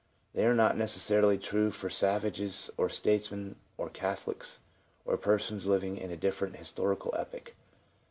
They are not necessarily true for savages or statesmen or Catholics or persons living in a different historical epoch.